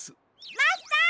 マスター！